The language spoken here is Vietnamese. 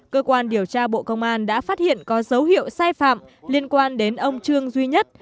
cơ quan điều tra bộ công an đã phát hiện có dấu hiệu sai phạm liên quan đến ông trương duy nhất